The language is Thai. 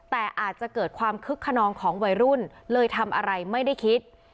แต่อาจจะเกิดความคึกขนองของวัยรุ่นเลยทำอะไรไม่ได้คิด